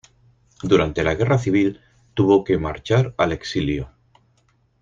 Durante la Guerra civil tuvo que marchar al exilio.